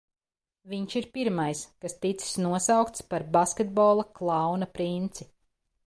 Viņš ir pirmais, kas ticis nosaukts par basketbola klauna princi.